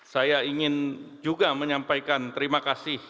saya ingin juga menyampaikan terima kasih